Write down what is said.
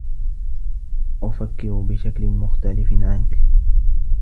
أفكّر بشكل مختلف عنك.